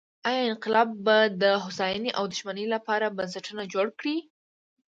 ایا انقلاب به د هوساینې او شتمنۍ لپاره بنسټونه جوړ کړي؟